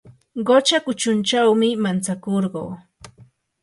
qucha kuchunchawmi mantsakurqaa.